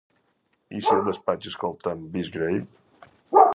I si al despatx escoltem "Beastgrave"?